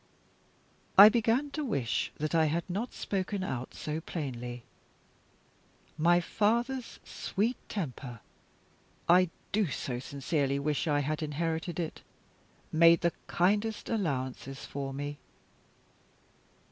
I began to wish that I had not spoken out so plainly. My father's sweet temper I do so sincerely wish I had inherited it! made the kindest allowances for me.